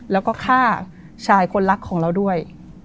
แล้วก็ฆ่าชายคนรักของเราด้วย